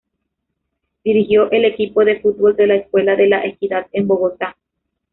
Dirigió el equipo de fútbol de la escuela de la equidad en Bogotá.